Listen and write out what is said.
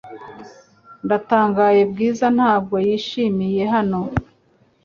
Ndatangaye Bwiza ntabwo yishimiye hano .